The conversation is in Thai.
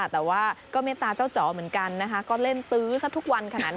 แต่ก็เมตตาเจ้าเจ้าเหมือนกันนะคะก็เล่นตื๊อสักทุกวันขนาดนี้